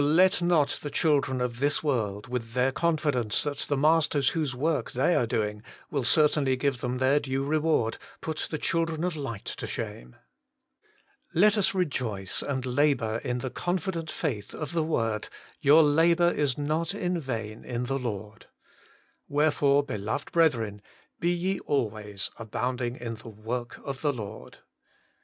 let not the children of this world, with their confidence that the masters whose work they are doing will cer tainly give them their due reward, put the children of light to shame. Let us rejoice and labour in the confident faith of the word :' Your labour is not in vain in the Lord. Wherefore, beloved brethren, be ye always abounding in the work of the Lord.'